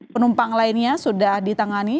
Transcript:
penumpang lainnya sudah ditangani